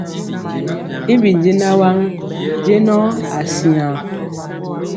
Y bi jɛɛnaŋ waŋ jɛŋɔ asiaŋ.